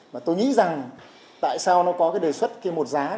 và tôi nghĩ rằng tại sao nó có cái đề xuất cái một giá